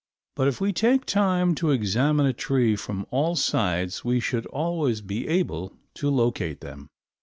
But if we take time to examine a tree from all sides we should always be able to locate them.